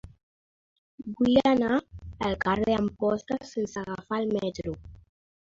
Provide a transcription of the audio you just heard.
Vull anar al carrer d'Amposta sense agafar el metro.